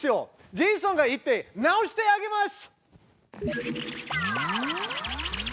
ジェイソンが行って直してあげます！